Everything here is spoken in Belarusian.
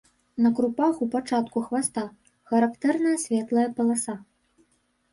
На крупах, у пачатку хваста, характэрная светлая паласа.